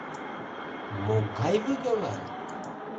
— Могай выговор?